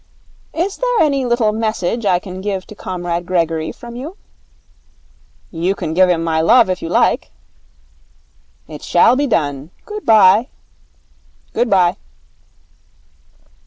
'Is there any little message I can give Comrade Gregory from you?' 'You can give him my love, if you like.' 'It shall be done. Good bye.' 'Good bye.'